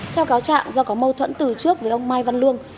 theo cáo trạng do có mâu thuẫn từ trước với ông mai văn lương